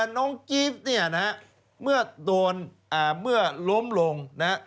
น้องจีฟเนี่ยเมื่อล้มลง